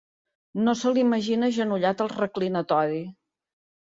No se l'imagina agenollat al reclinatori.